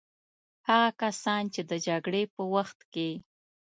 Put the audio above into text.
هغه کسان چې د جګړې په وخت کې.